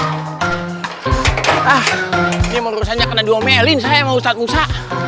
ini memang rasanya saya yang kena diomelin sama ustaz musa